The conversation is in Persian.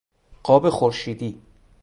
قاب خورشیدی